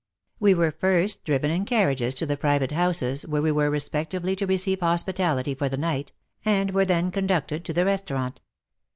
We were first driven in carriages to the private houses where we were respectively to receive hospitality for the night, and were then conducted to the restaurant.